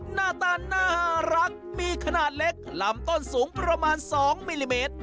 หน้าตาน่ารักมีขนาดเล็กลำต้นสูงประมาณ๒มิลลิเมตร